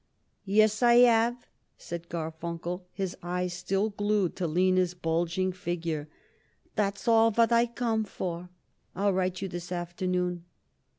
"Yes, I have," said Garfunkel, his eye still glued to Lina's bulging figure. "That's all what I come for. I'll write you this afternoon."